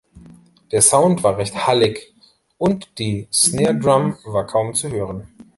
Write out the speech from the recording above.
Der Sound war recht „hallig“ und die Snare-Drum war kaum zu hören.